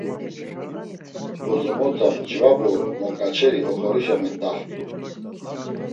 Bozomota mcvabu moǩaçeri oxorişa mendaxt̆u.